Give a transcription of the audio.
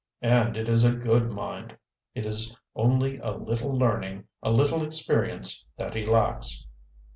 And it is a good mind! It is only a little learning, a little experience, that he lacks.